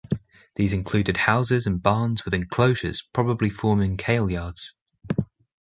These included houses and barns, with enclosures probably forming kailyards.